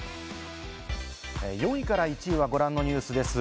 ４位から１位はご覧のニュースです。